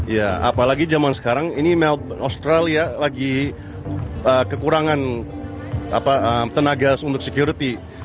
ya apalagi zaman sekarang ini australia lagi kekurangan tenaga untuk security